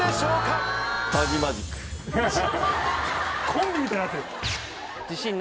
コンビみたいになってる。